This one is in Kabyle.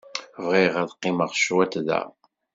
Bɣiɣ ad qqimeɣ cwiṭ da.